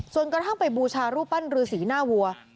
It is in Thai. ส่วนกระทั่งไปบูชารูปปั้นรือสีหน้าวัว